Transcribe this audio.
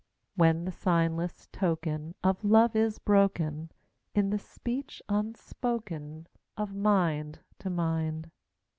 When the signless token Of love is broken In the speech unspoken Of mind to mind!